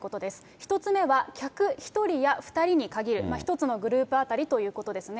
１つ目は、客１人や２人に限る、１つのグループ当たりということですね。